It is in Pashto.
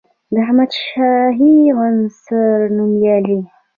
د احمدشاهي عصر نوميالي